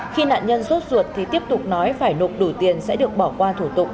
khi nạn nhân rốt ruột thì tiếp tục nói phải nộp đủ tiền sẽ được bỏ qua thủ tục